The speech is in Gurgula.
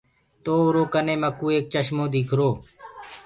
تو اُرو ڪني مڪوُ ايڪ چشمو ديکرو۔